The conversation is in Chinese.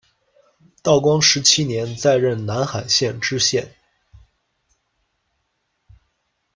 道光十七年，再任南海县知县。